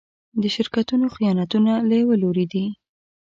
د شرکتونو خیانتونه له يوه لوري دي.